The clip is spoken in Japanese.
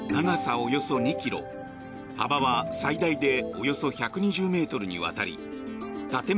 およそ２ｋｍ幅は最大でおよそ１２０ｍにわたり建物